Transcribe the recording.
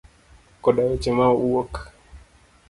Koda weche mawuok.